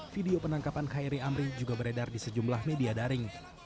video penangkapan khairi amri juga beredar di sejumlah media daring